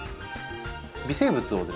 微生物をですね